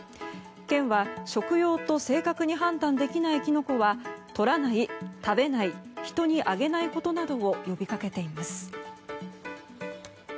県は、食用と正確に判断できないキノコは採らない、食べない人にあげないことなどを呼びかけています。